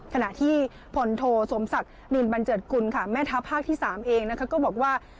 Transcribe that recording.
ขณะที่พลโทสมศักดิ์นินบันเจิดกุลค่ะแม่ทัพภาคที่๓เองก็บอกว่า